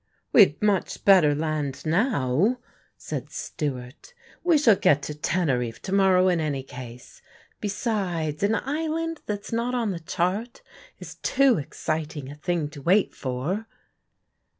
"We had much better land now," said Stewart; "we shall get to Teneriffe to morrow in any case. Besides, an island that's not on the chart is too exciting a thing to wait for."